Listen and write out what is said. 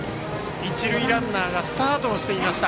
一塁ランナーがスタートしていました。